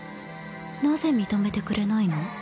なぜ認めてくれないの？